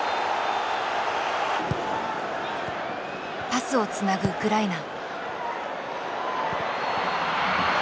パスをつなぐウクライナ。